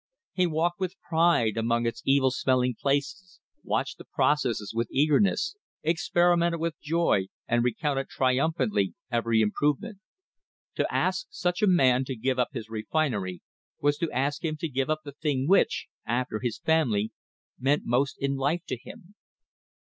He walked with pride among its evil smelling places, watched the processes with eagerness, experimented with joy and recounted triumphantly every improvement. To ask such a man to give up his refinery was to ask him to give up the _. thing which, after his family, meant most in life to him.